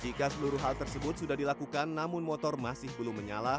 jika seluruh hal tersebut sudah dilakukan namun motor masih belum menyala